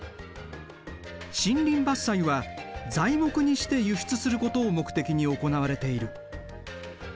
森林伐採は材木にして輸出することを目的に行われている。